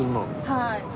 はい。